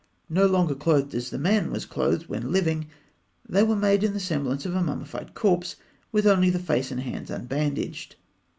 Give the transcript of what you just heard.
No longer clothed as the man was clothed when living, they were made in the semblance of a mummified corpse, with only the face and hands unbandaged.